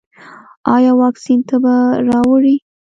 ایا واکسین تبه راوړي؟